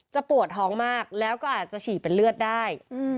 ปวดท้องมากแล้วก็อาจจะฉี่เป็นเลือดได้